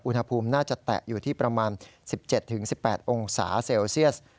อุณหภูมิน่าจะแตะอยู่ที่ประมาณสิบเจ็ดถึงสิบแปดองศาเซลเซียส